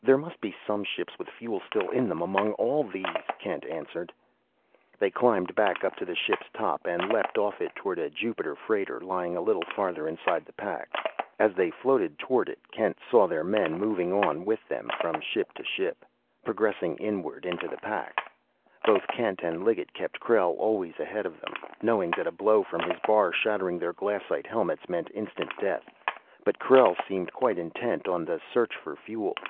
"There must be some ships with fuel still in them among all these," Kent answered. They climbed back, up to the ship's top, and leapt off it toward a Jupiter freighter lying a little farther inside the pack. As they floated toward it, Kent saw their men moving on with them from ship to ship, progressing inward into the pack. Both Kent and Liggett kept Krell always ahead of them, knowing that a blow from his bar, shattering their glassite helmets, meant instant death. But Krell seemed quite intent on the search for fuel.